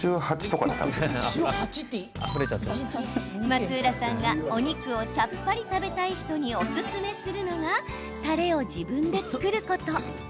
松浦さんがお肉をさっぱり食べたい人におすすめするのがタレを自分で作ること。